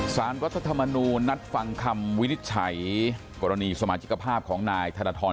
สารรัฐธรรมนูญนัดฟังคำวินิจฉัยกรณีสมาชิกภาพของนายธนทร